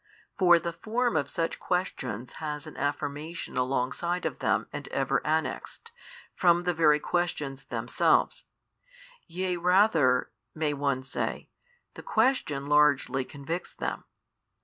for the form of such questions has an affirmation alongside of them and ever annexed, from the very questions themselves; yea rather (may one say) the question largely convicts them.